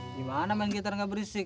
dimana main gitar gak berisik